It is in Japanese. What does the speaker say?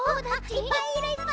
いっぱいいる！